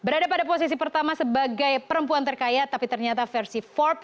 berada pada posisi pertama sebagai perempuan terkaya tapi ternyata versi empat